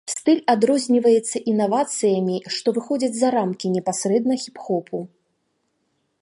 Стыль адрозніваецца інавацыямі, што выходзяць за рамкі непасрэдна хіп-хопу.